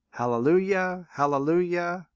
Hallelujah! Hallelujah!